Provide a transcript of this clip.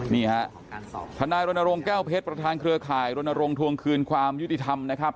นี่ฮะทนายรณรงค์แก้วเพชรประธานเครือข่ายรณรงค์ทวงคืนความยุติธรรมนะครับ